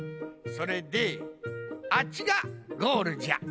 それであっちがゴールじゃ。